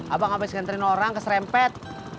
abang abis ngantriin orang keserempet